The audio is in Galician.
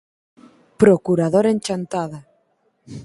Procurador en Chantada.